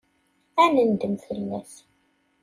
Ad nendem fell-as.